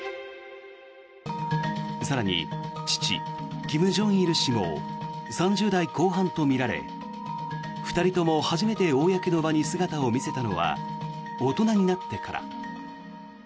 更に父・金正日氏も３０代後半とみられ２人とも初めて公の場に姿を見せたのは大人になってから。